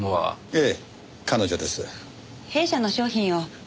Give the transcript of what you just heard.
ええ。